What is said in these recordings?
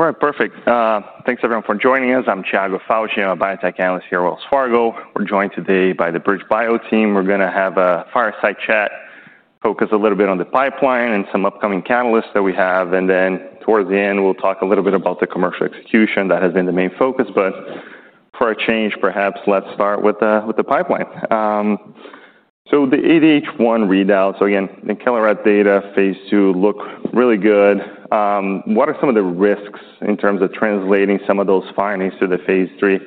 All right, perfect. Thanks, everyone, for joining us. I'm Chad Lefauche, I'm a biotech analyst here at Wells Fargo. We're joined today by the BridgeBio team. We're going to have a fireside chat, focus a little bit on the pipeline and some upcoming catalysts that we have. Towards the end, we'll talk a little bit about the commercial execution that has been the main focus. For a change, perhaps let's start with the pipeline. The ADH-1 readout, so again, the Killerat data phase II looked really good. What are some of the risks in terms of translating some of those findings to the phase III?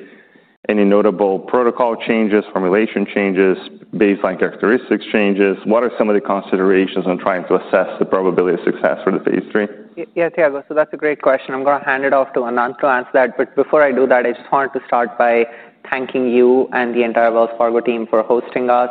Any notable protocol changes, formulation changes, baseline characteristics changes? What are some of the considerations when trying to assess the probability of success for the phase III? Yeah, Chad, that's a great question. I'm going to hand it off to Ananth to answer that. Before I do that, I just wanted to start by thanking you and the entire Wells Fargo team for hosting us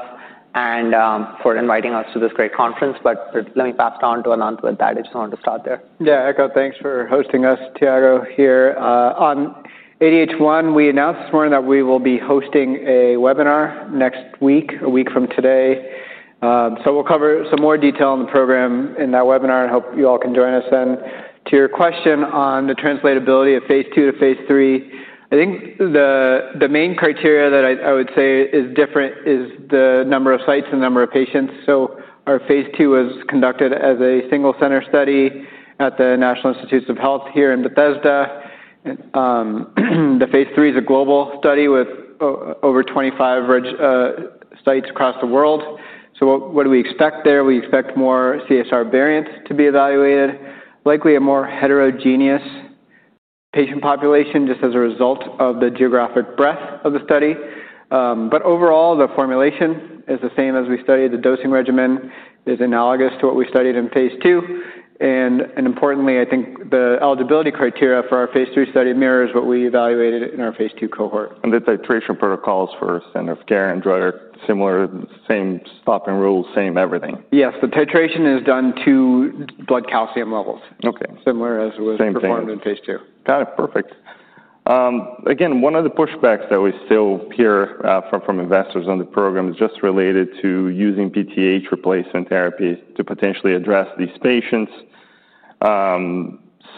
and for inviting us to this great conference. Let me pass it on to Ananth with that. I just wanted to start there. Yeah, Echo, thanks for hosting us, Chad, here. On ADH-1, we announced this morning that we will be hosting a webinar next week, a week from today. We'll cover some more detail on the program in that webinar, and I hope you all can join us. To your question on the translatability of phase II to phase III, I think the main criteria that I would say is different is the number of sites and the number of patients. Our phase II was conducted as a single-center study at the National Institutes of Health here in Bethesda. The phase III is a global study with over 25 sites across the world. We expect more CSR variants to be evaluated, likely a more heterogeneous patient population just as a result of the geographic breadth of the study. Overall, the formulation is the same as we studied. The dosing regimen is analogous to what we studied in phase II. Importantly, I think the eligibility criteria for our phase III study mirrors what we evaluated in our phase II cohort. Are the titration protocols for standard of care and drug similar, same swapping rules, same everything? Yes, the titration is done to blood calcium levels. Okay. Similar as it was performed in phase II. Got it. Perfect. One of the pushbacks that we still hear from investors on the program is just related to using PTH replacement therapy to potentially address these patients.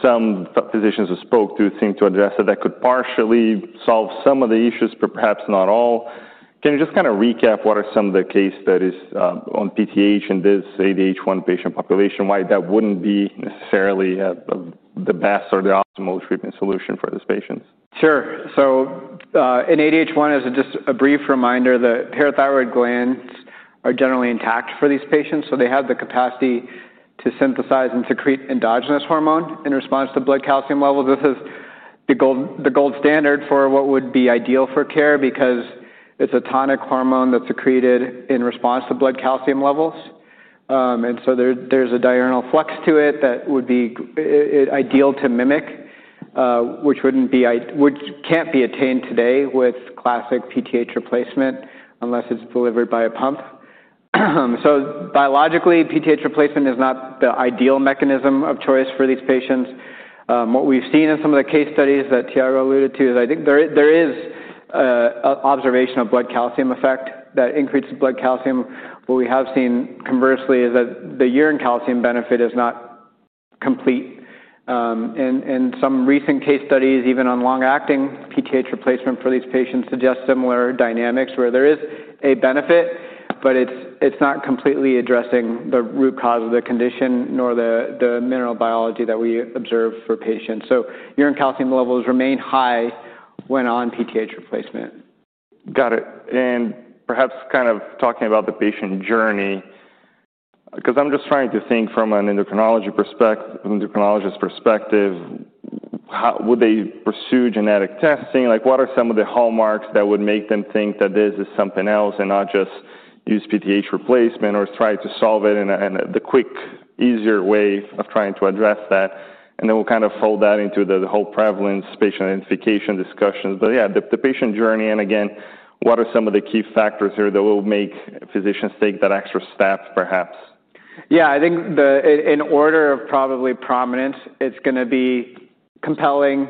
Some physicians I spoke to seem to address that that could partially solve some of the issues, but perhaps not all. Can you just kind of recap what are some of the case studies on PTH in this ADH-1 patient population, why that wouldn't be necessarily the best or the optimal treatment solution for these patients? Sure. In ADH-1, as just a brief reminder, the parathyroid glands are generally intact for these patients. They have the capacity to synthesize and secrete endogenous hormone in response to blood calcium levels. This is the gold standard for what would be ideal for care because it's a tonic hormone that's secreted in response to blood calcium levels. There is a diurnal flux to it that would be ideal to mimic, which can't be attained today with classic PTH replacement unless it's delivered by a pump. Biologically, PTH replacement is not the ideal mechanism of choice for these patients. What we've seen in some of the case studies that Chad alluded to is I think there is an observation of blood calcium effect that increases blood calcium. What we have seen, conversely, is that the urine calcium benefit is not complete. Some recent case studies, even on long-acting PTH replacement for these patients, suggest similar dynamics where there is a benefit, but it's not completely addressing the root cause of the condition, nor the mineral biology that we observe for patients. Urine calcium levels remain high when on PTH replacement. Got it. Perhaps kind of talking about the patient journey, because I'm just trying to think from an endocrinologist's perspective, would they pursue genetic testing? What are some of the hallmarks that would make them think that this is something else and not just use PTH replacement or try to solve it in the quick, easier way of trying to address that? We'll kind of fold that into the whole prevalence patient identification discussions. The patient journey, and again, what are some of the key factors here that will make physicians take that extra step, perhaps? Yeah, I think in order of probably prominence, it's going to be compelling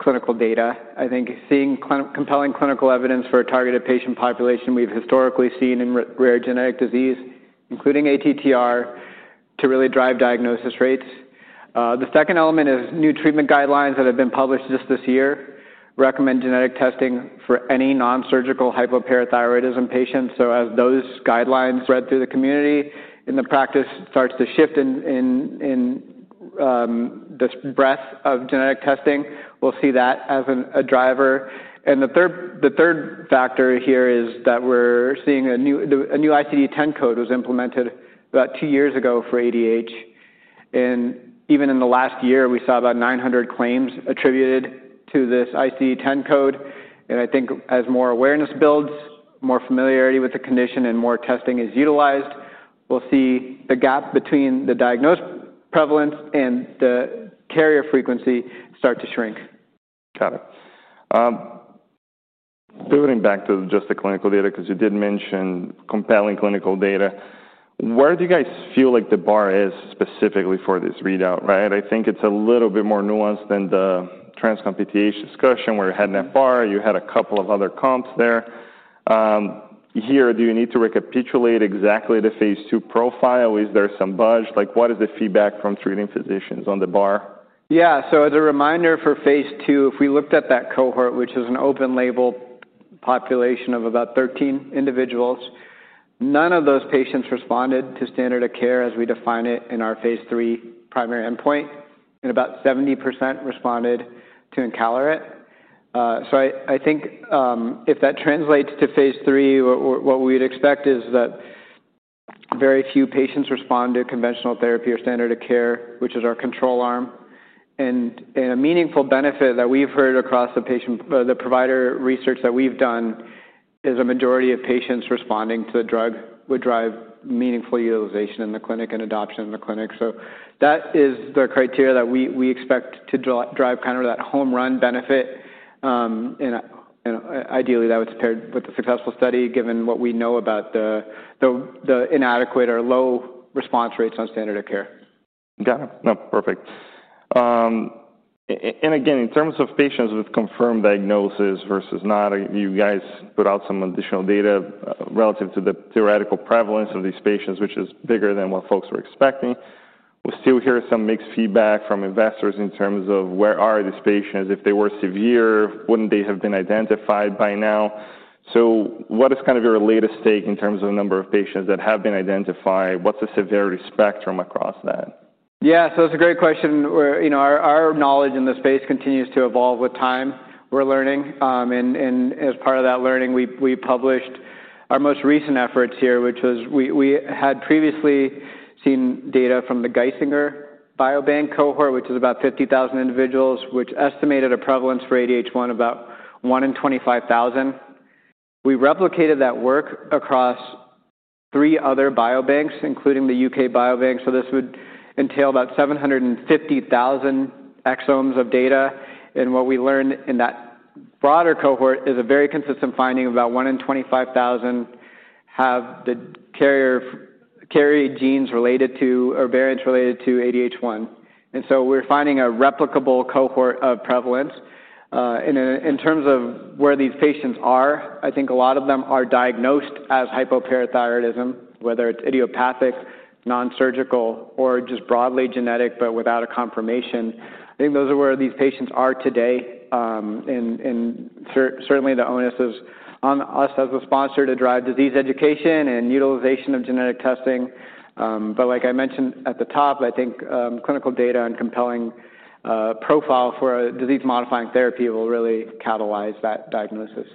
clinical data. I think seeing compelling clinical evidence for a targeted patient population we've historically seen in rare genetic disease, including ATTR, to really drive diagnosis rates. The second element is new treatment guidelines that have been published just this year recommend genetic testing for any nonsurgical hypoparathyroidism patients. As those guidelines spread through the community and the practice starts to shift in the breadth of genetic testing, we'll see that as a driver. The third factor here is that we're seeing a new ICD-10 code was implemented about two years ago for ADH-1. Even in the last year, we saw about 900 claims attributed to this ICD-10 code. I think as more awareness builds, more familiarity with the condition, and more testing is utilized, we'll see the gap between the diagnosed prevalence and the carrier frequency start to shrink. Got it. Pivoting back to just the clinical data, because you did mention compelling clinical data, where do you guys feel like the bar is specifically for this readout, right? I think it's a little bit more nuanced than the TransCon PTH discussion where you had that bar. You had a couple of other comps there. Here, do you need to recapitulate exactly the phase II profile? Is there some budge? What is the feedback from treating physicians on the bar? Yeah, as a reminder for phase II, if we looked at that cohort, which is an open-label population of about 13 individuals, none of those patients responded to standard of care as we define it in our phase III primary endpoint. About 70% responded to encaleret. If that translates to phase III, what we would expect is that very few patients respond to conventional therapy or standard of care, which is our control arm. A meaningful benefit that we've heard across the patient provider research that we've done is a majority of patients responding to the drug would drive meaningful utilization in the clinic and adoption in the clinic. That is the criteria that we expect to drive kind of that home run benefit. Ideally, that would be paired with a successful study given what we know about the inadequate or low response rates on standard of care. Got it. No, perfect. In terms of patients with confirmed diagnosis versus not, you guys put out some additional data relative to the theoretical prevalence of these patients, which is bigger than what folks were expecting. We still hear some mixed feedback from investors in terms of where are these patients? If they were severe, wouldn't they have been identified by now? What is kind of your latest take in terms of the number of patients that have been identified? What's the severity spectrum across that? Yeah, that's a great question. Our knowledge in the space continues to evolve with time. We're learning. As part of that learning, we published our most recent efforts here, which was we had previously seen data from the Geisinger biobank cohort, which is about 50,000 individuals, which estimated a prevalence for ADH-1 about 1 in 25,000. We replicated that work across three other biobanks, including the UK biobank. This would entail about 750,000 exomes of data. What we learned in that broader cohort is a very consistent finding of about 1 in 25,000 have the carrier genes related to or variants related to ADH-1. We're finding a replicable cohort of prevalence. In terms of where these patients are, I think a lot of them are diagnosed as hypoparathyroidism, whether it's idiopathic, nonsurgical, or just broadly genetic, but without a confirmation. I think those are where these patients are today. Certainly, the onus is on us as a sponsor to drive disease education and utilization of genetic testing. Like I mentioned at the top, I think clinical data and compelling profile for a disease-modifying therapy will really catalyze that diagnosis.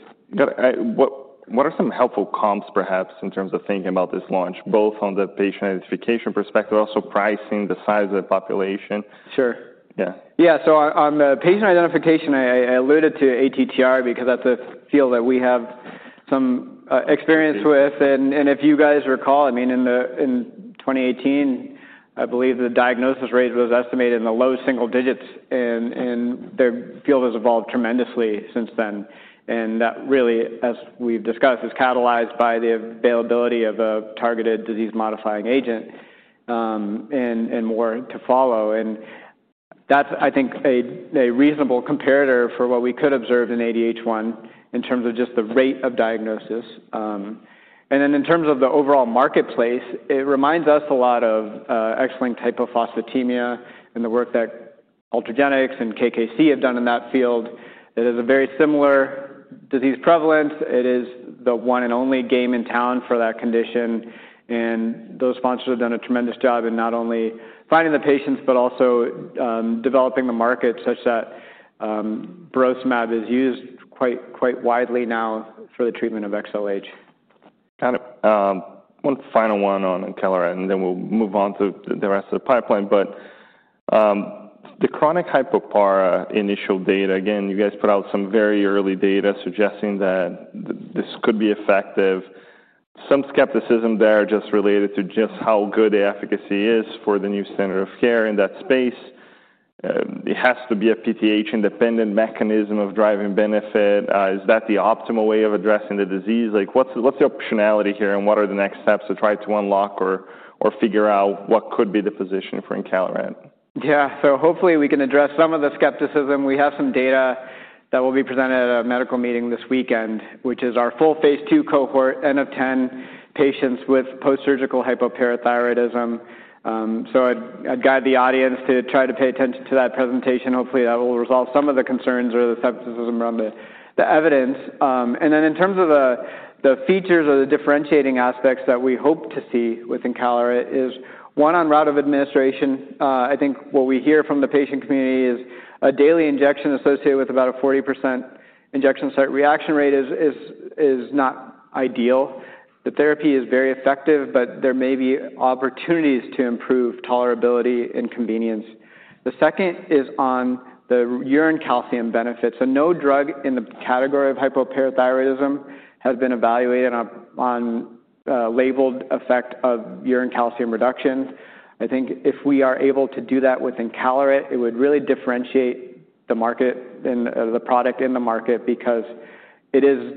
What are some helpful comps, perhaps, in terms of thinking about this launch, both on the patient identification perspective, but also pricing, the size of the population? Sure. Yeah. Yeah, on the patient identification, I alluded to ATTR because that's a field that we have some experience with. If you guys recall, in 2018, I believe the diagnosis rate was estimated in the low single digits. The field has evolved tremendously since then. That really, as we've discussed, is catalyzed by the availability of a targeted disease-modifying agent and more to follow. I think that's a reasonable comparator for what we could observe in ADH-1 in terms of just the rate of diagnosis. In terms of the overall marketplace, it reminds us a lot of X-linked hypophosphatemia and the work that Ultragenyx and KKC have done in that field. It is a very similar disease prevalence. It is the one and only game in town for that condition. Those sponsors have done a tremendous job in not only finding the patients, but also developing the market such that burosumab is used quite widely now for the treatment of XLH. Got it. One final one on encaleret, and then we'll move on to the rest of the pipeline. The chronic hypopara initial data, again, you guys put out some very early data suggesting that this could be effective. Some skepticism there just related to just how good the efficacy is for the new standard of care in that space. It has to be a PTH-independent mechanism of driving benefit. Is that the optimal way of addressing the disease? What's the optionality here? What are the next steps to try to unlock or figure out what could be the position for encaleret? Yeah, so hopefully, we can address some of the skepticism. We have some data that will be presented at a medical meeting this weekend, which is our full phase II cohort, n of 10 patients with postsurgical hypoparathyroidism. I'd guide the audience to try to pay attention to that presentation. Hopefully, that will resolve some of the concerns or the skepticism around the evidence. In terms of the features or the differentiating aspects that we hope to see with encaleret, one is on route of administration. I think what we hear from the patient community is a daily injection associated with about a 40% injection site reaction rate is not ideal. The therapy is very effective, but there may be opportunities to improve tolerability and convenience. The second is on the urine calcium benefits. No drug in the category of hypoparathyroidism has been evaluated on a labeled effect of urine calcium reduction. I think if we are able to do that with encaleret, it would really differentiate the market and the product in the market because it is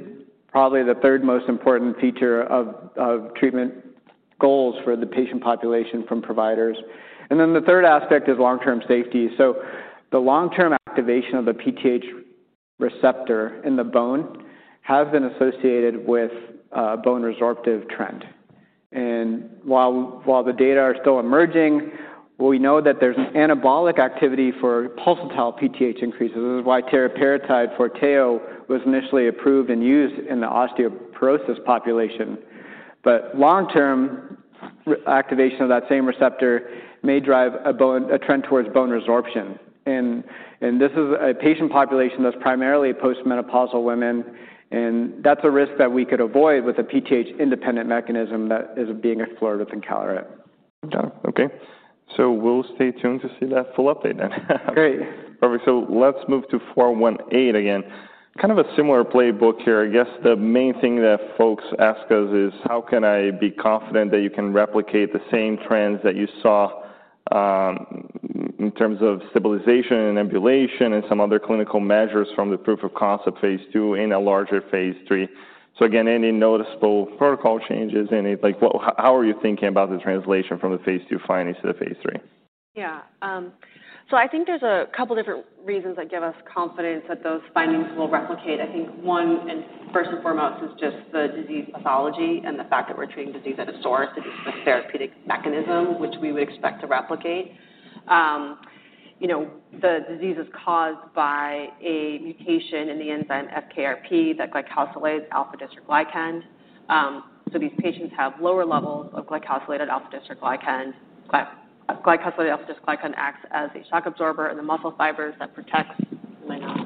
probably the third most important feature of treatment goals for the patient population from providers. The third aspect is long-term safety. The long-term activation of the PTH receptor in the bone has been associated with a bone resorptive trend. While the data are still emerging, we know that there's an anabolic activity for pulsatile PTH increases. This is why teriparatide Forteo was initially approved and used in the osteoporosis population. Long-term activation of that same receptor may drive a trend towards bone resorption. This is a patient population that's primarily postmenopausal women. That's a risk that we could avoid with a PTH-independent mechanism that is being explored with encaleret. Got it. Okay. We'll stay tuned to see that full update then. Great. Perfect. Let's move to 418 again. Kind of a similar playbook here. I guess the main thing that folks ask us is, how can I be confident that you can replicate the same trends that you saw in terms of stabilization and ambulation and some other clinical measures from the proof of concept phase II in a larger phase III? Again, any noticeable protocol changes? How are you thinking about the translation from the phase II findings to the phase III? Yeah, so I think there's a couple of different reasons that give us confidence that those findings will replicate. I think one, and first and foremost, is just the disease pathology and the fact that we're treating disease at a source. It isn't a therapeutic mechanism, which we would expect to replicate. The disease is caused by a mutation in the enzyme FKRP that glycosylates alpha-dystroglycan. So these patients have lower levels of glycosylated alpha-dystroglycan. Glycosylated alpha-dystroglycan acts as a shock absorber in the muscle fibers that protects the muscle.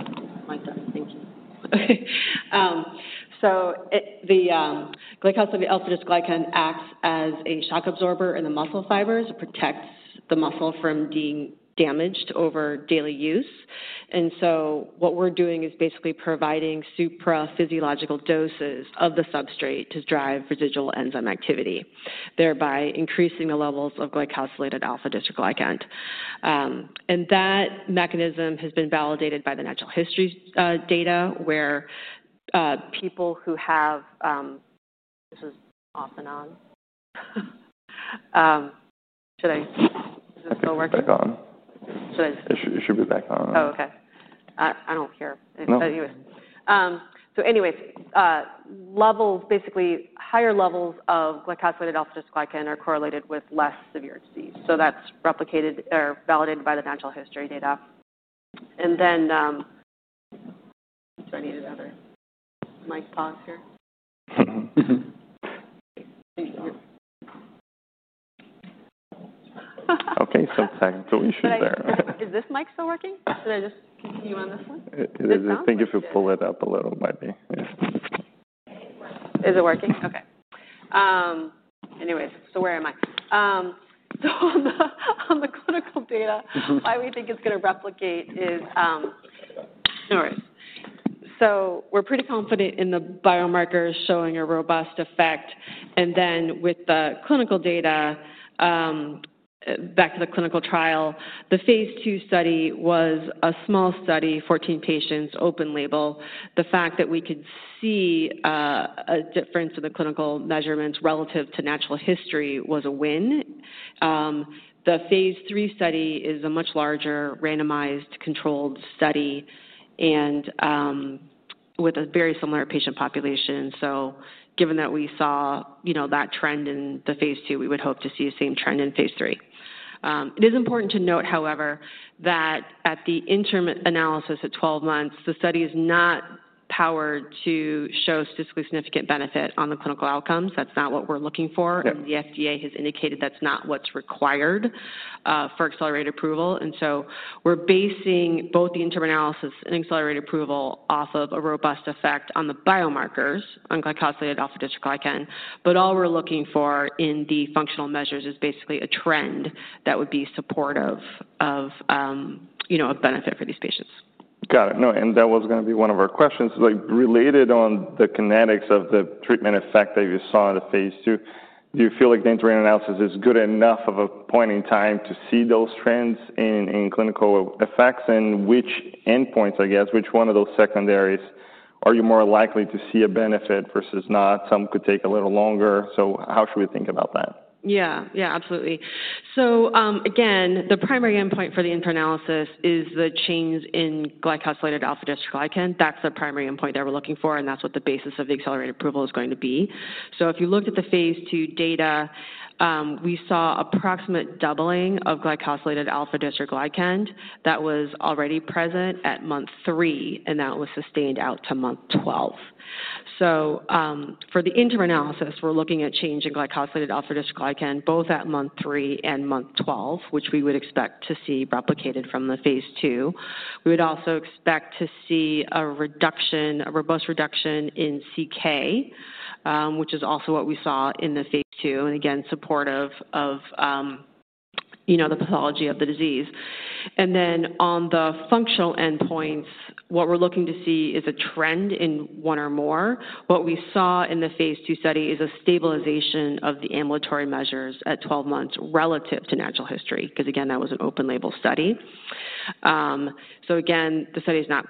So the glycosylated alpha-dystroglycan acts as a shock absorber in the muscle fibers that protects the muscle from being damaged over daily use. What we're doing is basically providing supraphysiological doses of the substrate to drive residual enzyme activity, thereby increasing the levels of glycosylated alpha-dystroglycan. That mechanism has been validated by the natural history data where people who have—this is off and on. Should I go work? It's back on. It should be back on. Okay. I don't care. Anyway, basically, higher levels of glycosylated alpha-dystroglycan are correlated with less severe disease. That's replicated or validated by the natural history data. I needed other mic thoughts here. Okay, time to issue. Is this mic still working? Should I just continue on this one? I think if you pull it up a little, might be. Is it working? Okay. Anyways, so where am I? On the clinical data, why we think it's going to replicate is, no worries. We're pretty confident in the biomarkers showing a robust effect. With the clinical data, back to the clinical trial, the phase II study was a small study, 14 patients, open label. The fact that we could see a difference in the clinical measurements relative to natural history was a win. The phase III study is a much larger randomized controlled study with a very similar patient population. Given that we saw that trend in the phase II, we would hope to see the same trend in phase III. It is important to note, however, that at the interim analysis at 12 months, the study is not powered to show statistically significant benefit on the clinical outcomes. That's not what we're looking for. The FDA has indicated that's not what's required for accelerated approval. We're basing both the interim analysis and accelerated approval off of a robust effect on the biomarkers on glycosylated alpha-dystroglycan. All we're looking for in the functional measures is basically a trend that would be supportive of a benefit for these patients. Got it. No, that was going to be one of our questions. Related on the kinetics of the treatment effect that you saw in the phase II, do you feel like the interim analysis is good enough of a point in time to see those trends in clinical effects? Which endpoints, I guess, which one of those secondaries are you more likely to see a benefit versus not? Some could take a little longer. How should we think about that? Yeah, yeah, absolutely. Again, the primary endpoint for the interim analysis is the change in glycosylated alpha-dystroglycan. That's the primary endpoint that we're looking for, and that's what the basis of the accelerated approval is going to be. If you looked at the phase II data, we saw approximate doubling of glycosylated alpha-dystroglycan that was already present at month three, and that was sustained out to month 12. For the interim analysis, we're looking at change in glycosylated alpha-dystroglycan both at month three and month 12, which we would expect to see replicated from the phase II. We would also expect to see a reduction, a robust reduction in CK, which is also what we saw in the phase II, supportive of the pathology of the disease. On the functional endpoints, what we're looking to see is a trend in one or more. What we saw in the phase II study is a stabilization of the ambulatory measures at 12 months relative to natural history, because that was an open-label study. The study is not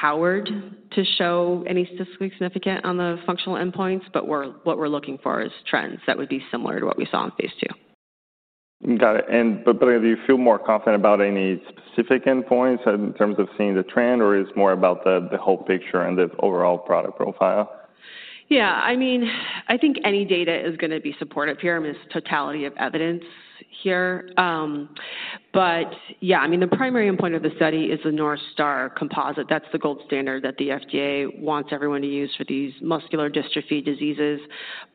powered to show any statistically significant on the functional endpoints, but what we're looking for is trends that would be similar to what we saw in phase II. Got it. Do you feel more confident about any specific endpoints in terms of seeing the trend, or is it more about the whole picture and the overall product profile? Yeah, I mean, I think any data is going to be supportive here. I mean, it's the totality of evidence here. The primary endpoint of the study is the North Star composite. That's the gold standard that the FDA wants everyone to use for these muscular dystrophy diseases.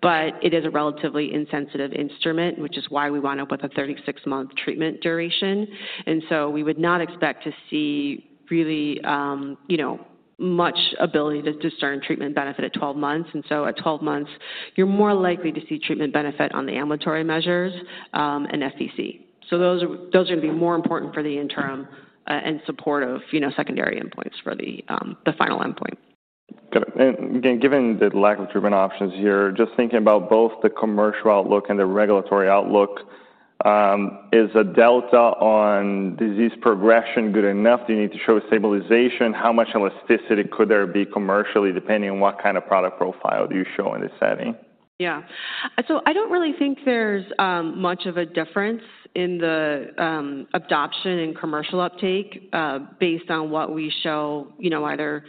It is a relatively insensitive instrument, which is why we want to put a 36-month treatment duration. We would not expect to see really much ability to discern treatment benefit at 12 months. At 12 months, you're more likely to see treatment benefit on the ambulatory measures and FVC. Those are going to be more important for the interim and supportive secondary endpoints for the final endpoint. Got it. Given the lack of treatment options here, just thinking about both the commercial outlook and the regulatory outlook, is a delta on disease progression good enough? Do you need to show stabilization? How much elasticity could there be commercially depending on what kind of product profile you show in this setting? Yeah, I don't really think there's much of a difference in the adoption and commercial uptake based on what we show, either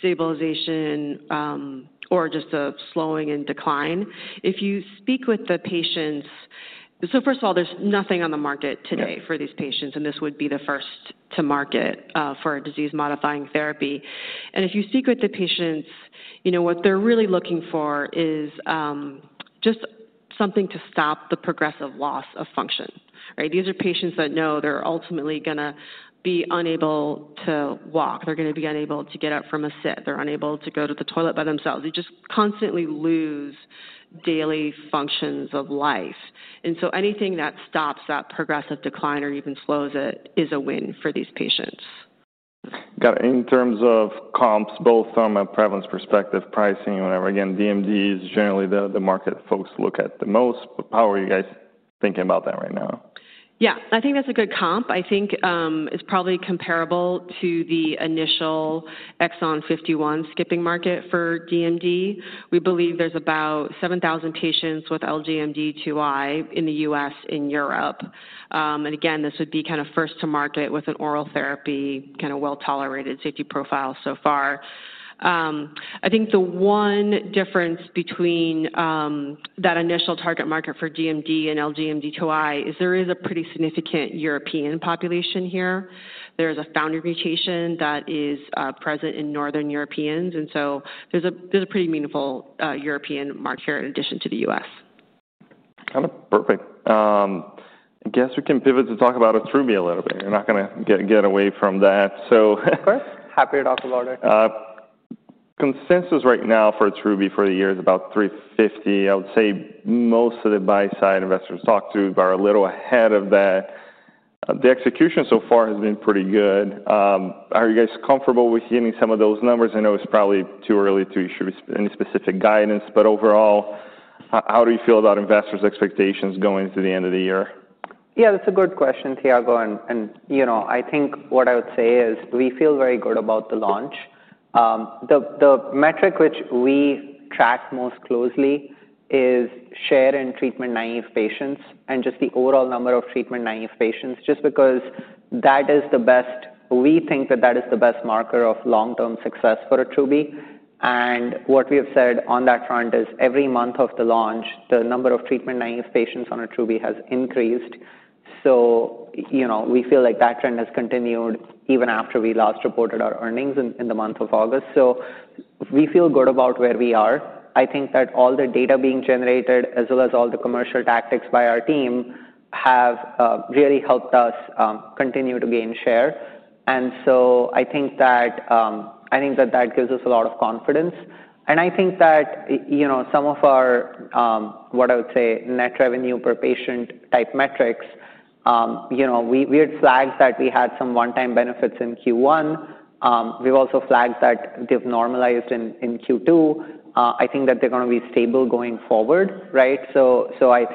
stabilization or just a slowing in decline. If you speak with the patients, first of all, there's nothing on the market today for these patients. This would be the first to market for a disease-modifying therapy. If you speak with the patients, what they're really looking for is just something to stop the progressive loss of function. These are patients that know they're ultimately going to be unable to walk. They're going to be unable to get up from a sit. They're unable to go to the toilet by themselves. They just constantly lose daily functions of life. Anything that stops that progressive decline or even slows it is a win for these patients. Got it. In terms of comps, both from a prevalence perspective, pricing, and whatever, again, DMD is generally the market folks look at the most. How are you guys thinking about that right now? Yeah, I think that's a good comp. I think it's probably comparable to the initial exon 51-skipping market for DMD. We believe there's about 7,000 patients with LGMD2i in the U.S. and Europe. This would be kind of first to market with an oral therapy, kind of well-tolerated safety profile so far. I think the one difference between that initial target market for DMD and LGMD2i is there is a pretty significant European population here. There is a founder mutation that is present in Northern Europeans, so there's a pretty meaningful European market here in addition to the U.S. Got it. Perfect. I guess we can pivot to talk about Attruby a little bit. You're not going to get away from that. Of course, happy to talk about it. Consensus right now for Attruby for the year is about $350 million. I would say most of the buy-side investors I talk to are a little ahead of that. The execution so far has been pretty good. Are you guys comfortable with hearing some of those numbers? I know it's probably too early to issue any specific guidance. Overall, how do you feel about investors' expectations going into the end of the year? Yeah, that's a good question, Chad. I think what I would say is we feel very good about the launch. The metric which we track most closely is share in treatment-naive patients and just the overall number of treatment-naive patients, just because that is the best. We think that that is the best marker of long-term success for Attruby. What we have said on that front is every month of the launch, the number of treatment-naive patients on Attruby has increased. We feel like that trend has continued even after we last reported our earnings in the month of August. We feel good about where we are. I think that all the data being generated, as well as all the commercial tactics by our team, have really helped us continue to gain share. I think that that gives us a lot of confidence. I think that some of our, what I would say, net revenue per patient type metrics, we had flagged that we had some one-time benefits in Q1. We've also flagged that they've normalized in Q2. I think that they're going to be stable going forward. I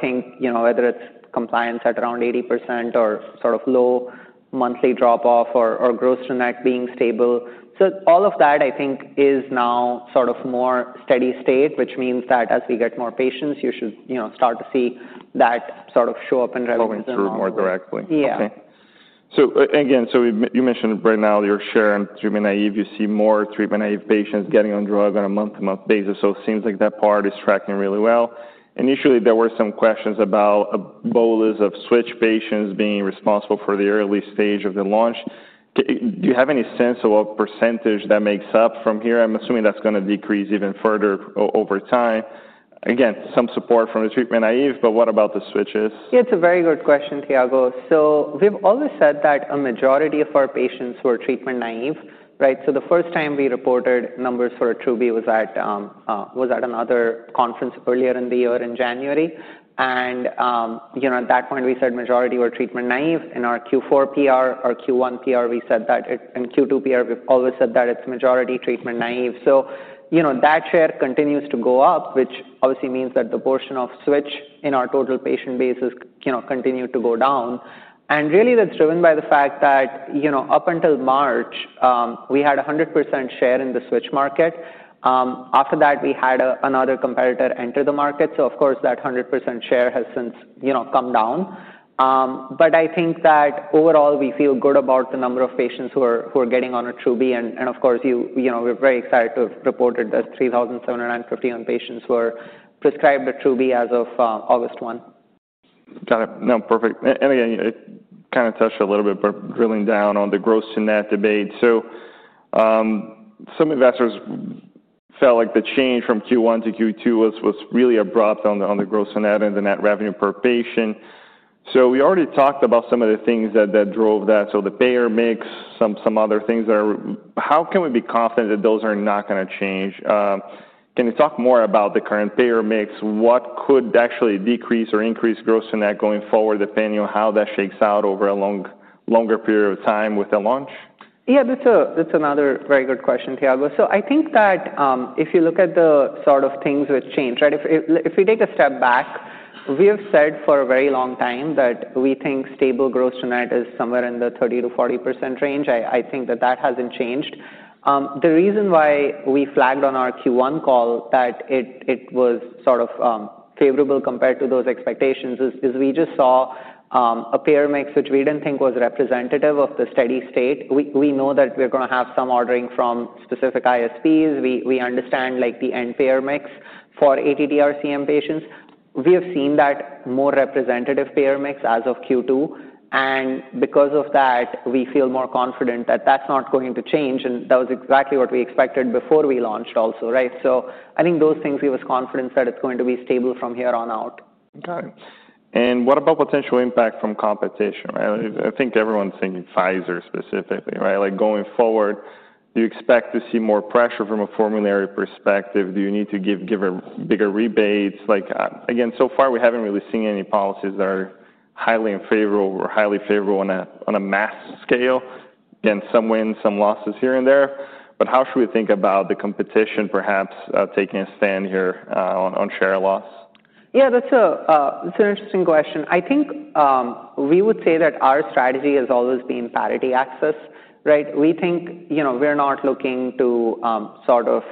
think whether it's compliance at around 80% or sort of low monthly drop-off or gross-to-net being stable, all of that, I think, is now sort of more steady state, which means that as we get more patients, you should start to see that sort of show up in relevance. Going through it more directly. Yeah. You mentioned right now your share in treatment-naive. You see more treatment-naive patients getting on drug on a month-to-month basis. It seems like that part is tracking really well. Initially, there were some questions about a bolus of switch patients being responsible for the early stage of the launch. Do you have any sense of what percentage that makes up from here? I'm assuming that's going to decrease even further over time. Again, some support from the treatment-naive. What about the switches? Yeah, it's a very good question, Chad. We've always said that a majority of our patients were treatment-naive. The first time we reported numbers for Attruby was at another conference earlier in the year in January. At that point, we said majority were treatment-naive. In our Q4 PR or Q1 PR, we said that. In Q2 PR, we've always said that it's majority treatment-naive. That share continues to go up, which obviously means that the portion of switch in our total patient base has continued to go down. Really, that's driven by the fact that up until March, we had 100% share in the switch market. After that, we had another competitor enter the market. Of course, that 100% share has since come down. I think that overall, we feel good about the number of patients who are getting on Attruby. We're very excited to have reported that 3,751 patients were prescribed Attruby as of August 1. Got it. No, perfect. You kind of touched a little bit, but drilling down on the gross-to-net debate, some investors felt like the change from Q1 to Q2 was really abrupt on the gross-to-net and the net revenue per patient. We already talked about some of the things that drove that, the payer mix, some other things. How can we be confident that those are not going to change? Can you talk more about the current payer mix? What could actually decrease or increase gross-to-net going forward, depending on how that shakes out over a longer period of time with the launch? Yeah, that's another very good question, Chad. I think that if you look at the sort of things which change, if we take a step back, we have said for a very long time that we think stable gross-to-net is somewhere in the 30%-40% range. I think that hasn't changed. The reason why we flagged on our Q1 call that it was favorable compared to those expectations is we just saw a payer mix which we didn't think was representative of the steady state. We know that we're going to have some ordering from specific ISPs. We understand the end payer mix for ATTR CM patients. We have seen that more representative payer mix as of Q2. Because of that, we feel more confident that that's not going to change. That was exactly what we expected before we launched also. I think those things give us confidence that it's going to be stable from here on out. Got it. What about potential impact from competition? I think everyone's thinking Pfizer specifically. Going forward, do you expect to see more pressure from a formulary perspective? Do you need to give bigger rebates? So far, we haven't really seen any policies that are highly favorable or highly unfavorable on a mass scale. There have been some wins, some losses here and there. How should we think about the competition perhaps taking a stand here on share loss? Yeah, that's an interesting question. I think we would say that our strategy has always been parity access. We think we're not looking to sort of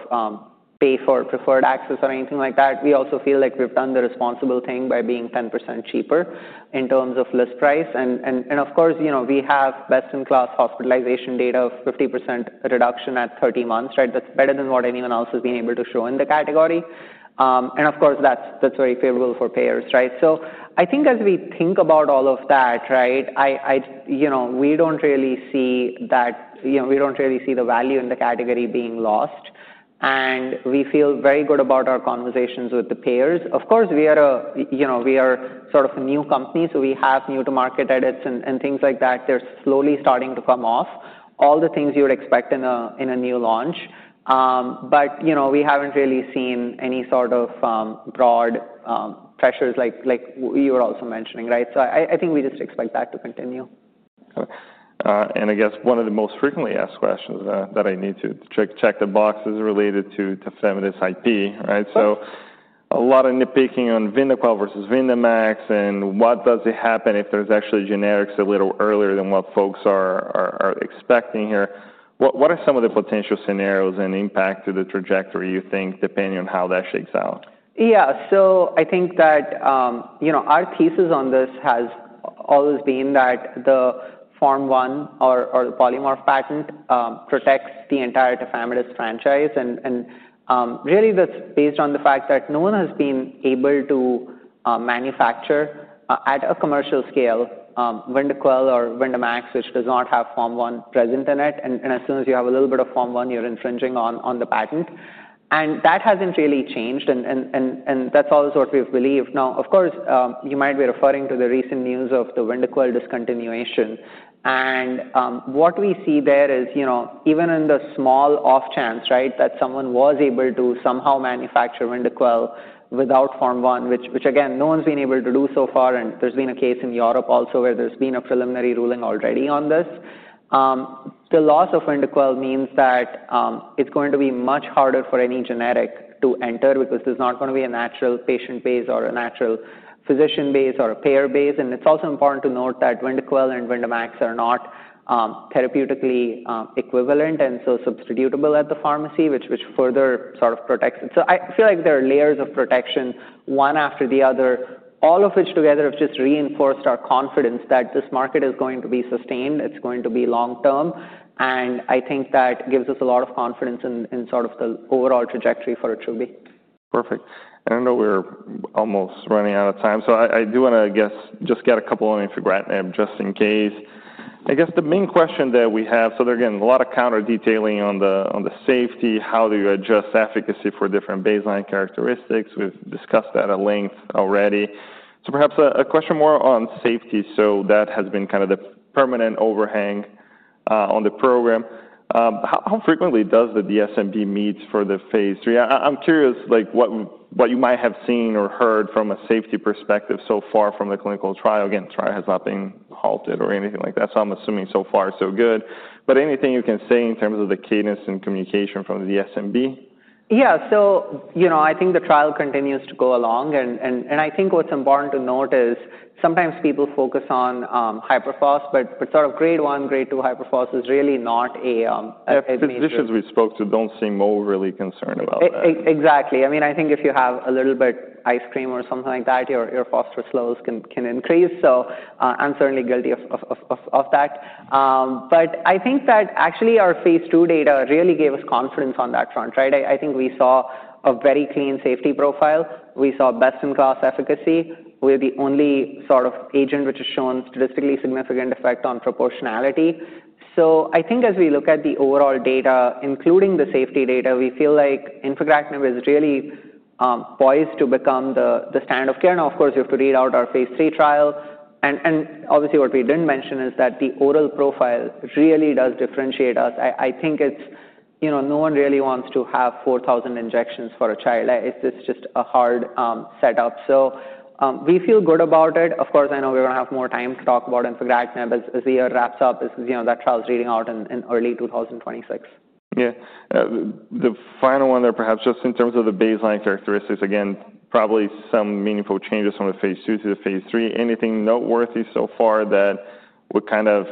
pay for preferred access or anything like that. We also feel like we've done the responsible thing by being 10% cheaper in terms of list price. Of course, we have best-in-class hospitalization data of 50% reduction at 30 months. That's better than what anyone else has been able to show in the category. That's very favorable for payers. I think as we think about all of that, we don't really see the value in the category being lost. We feel very good about our conversations with the payers. Of course, we are sort of a new company, so we have new-to-market edits and things like that. They're slowly starting to come off, all the things you would expect in a new launch. We haven't really seen any sort of broad pressures like you were also mentioning. I think we just expect that to continue. Got it. I guess one of the most frequently asked questions that I need to check the box is related to tafamidis ID. There is a lot of nitpicking on Vyndaqel versus Vyndamax. What happens if there's actually generics a little earlier than what folks are expecting here? What are some of the potential scenarios and impact to the trajectory you think, depending on how that shakes out? Yeah, so I think that our thesis on this has always been that the Form 1 or the polymorph patent protects the entire tafamidis franchise. That's based on the fact that no one has been able to manufacture at a commercial scale Vyndaqel or Vyndamax, which does not have Form 1 present in it. As soon as you have a little bit of Form 1, you're infringing on the patent. That hasn't really changed. That's always what we've believed. You might be referring to the recent news of the Vyndaqel discontinuation. What we see there is even in the small off chance that someone was able to somehow manufacture Vyndaqel without Form 1, which again, no one's been able to do so far. There's been a case in Europe also where there's been a preliminary ruling already on this. The loss of Vyndaqel means that it's going to be much harder for any generic to enter because there's not going to be a natural patient base or a natural physician base or a payer base. It's also important to note that Vyndaqel and Vyndamax are not therapeutically equivalent and so substitutable at the pharmacy, which further sort of protects it. I feel like there are layers of protection one after the other, all of which together have just reinforced our confidence that this market is going to be sustained. It's going to be long term. I think that gives us a lot of confidence in sort of the overall trajectory for Attruby. Perfect. I know we're almost running out of time. I do want to just get a couple of infographics just in case. The main question that we have, there again, a lot of counter-detailing on the safety. How do you adjust efficacy for different baseline characteristics? We've discussed that at length already. Perhaps a question more on safety. That has been kind of the permanent overhang on the program. How frequently does the DSMB meet for the phase III? I'm curious what you might have seen or heard from a safety perspective so far from the clinical trial. The trial has not been halted or anything like that. I'm assuming so far, so good. Anything you can say in terms of the cadence and communication from the DSMB? Yeah, I think the trial continues to go along. I think what's important to note is sometimes people focus on hyperphos. Sort of grade 1, grade 2 hyperphos is really not a phase. Physicians we spoke to don't seem overly concerned about that. Exactly. I mean, I think if you have a little bit of ice cream or something like that, your phosphorus levels can increase. I'm certainly guilty of that. I think that actually our phase II data really gave us confidence on that front. We saw a very clean safety profile. We saw best-in-class efficacy. We're the only sort of agent which has shown statistically significant effect on proportionality. As we look at the overall data, including the safety data, we feel like infigratinib is really poised to become the standard of care. Of course, you have to read out our phase III trial. What we didn't mention is that the oral profile really does differentiate us. I think no one really wants to have 4,000 injections for a child. It's just a hard setup. We feel good about it. I know we're going to have more time to talk about infigratinib as the year wraps up, as that trial is reading out in early 2026. Yeah. The final one there, perhaps just in terms of the baseline characteristics, again, probably some meaningful changes from the phase II to the phase III. Anything noteworthy so far that would kind of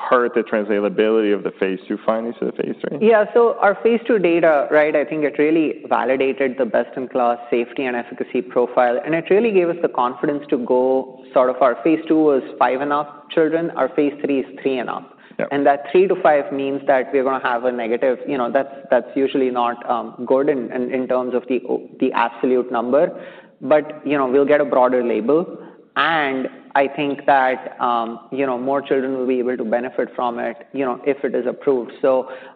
hurt the translatability of the phase II findings to the phase III? Yeah, our phase II data, I think it really validated the best-in-class safety and efficacy profile. It really gave us the confidence to go. Our phase II was five and up children. Our phase III is three and up. That 3-5 means that we're going to have a negative. That's usually not good in terms of the absolute number. We'll get a broader label. I think that more children will be able to benefit from it if it is approved.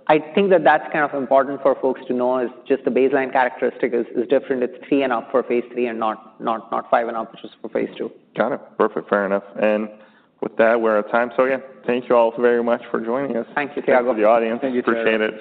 I think that that's kind of important for folks to know, just the baseline characteristic is different. It's three and up for phase III and not five and up, which is for phase II. Got it. Perfect. Fair enough. With that, we're out of time. Again, thank you all very much for joining us. Thank you, Chad. I hope the audience appreciated it.